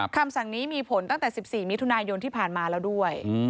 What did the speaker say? คำสั่งนี้มีผลตั้งแต่๑๔มิถุนายนที่ผ่านมาแล้วด้วย